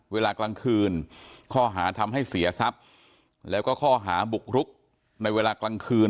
เวลากลางคืนข้อหาทำให้เสียทรัพย์แล้วก็ข้อหาบุกรุกในเวลากลางคืน